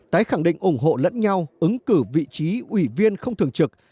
tái khẳng định ủng hộ lẫn nhau ứng cử vị trí ủy viên không thường trực